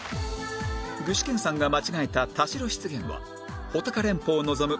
具志堅さんが間違えた田代湿原は穂高連峰を望む